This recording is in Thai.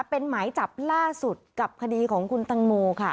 เป็นหมายจับล่าสุดกับคดีของคุณตังโมค่ะ